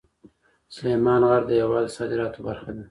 سلیمان غر د هېواد د صادراتو برخه ده.